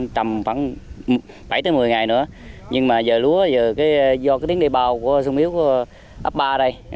tầm khoảng bảy một mươi ngày nữa nhưng mà giờ lúa do tiếng đề bào của sung yếu của ấp ba đây